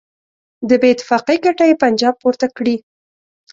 د بېاتفاقۍ ګټه یې پنجاب پورته کړي.